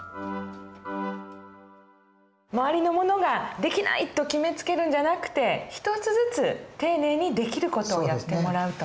周りの者ができないと決めつけるんじゃなくて一つずつ丁寧にできる事をやってもらうと。